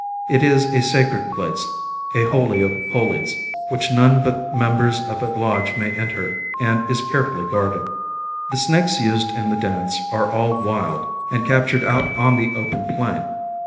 It is a sacred place, a holy of holies, which none but members of a lodge may enter, and is carefully guarded. The snakes used in the dance are all wild, and captured out on the open plain.